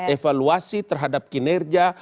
evaluasi terhadap kinerja